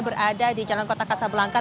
berada di jalan kota kasabelangkat